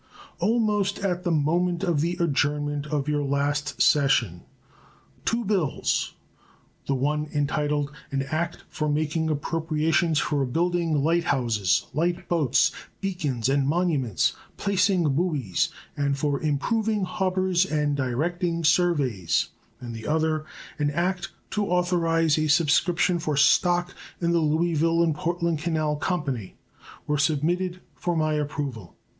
Almost at the moment of the adjournment of your last session two bills the one entitled "An act for making appropriations for building light houses, light boats, beacons, and monuments, placing buoys, and for improving harbors and directing surveys", and the other "An act to authorize a subscription for stock in the Louisville and Portland Canal Company" were submitted for my approval.